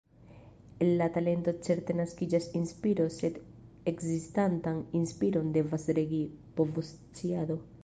El la talento certe naskiĝas inspiro, sed ekzistantan inspiron devas regi povosciado.